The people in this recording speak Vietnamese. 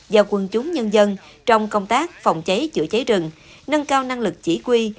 và quân chúng nhân dân trong công tác phòng cháy chữa cháy rừng nâng cao năng lực chỉ quy